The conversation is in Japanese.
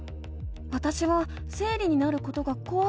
わたしは生理になることがこわくて。